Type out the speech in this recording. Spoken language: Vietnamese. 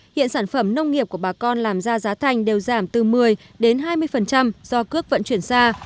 hiện sản phẩm nông nghiệp của bà con làm ra giá thành đều giảm từ một mươi đến hai mươi do cước vận chuyển ra